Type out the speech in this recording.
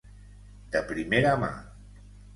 De primera mà.